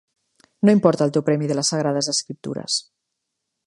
No importa el teu premi de les Sagrades Escriptures.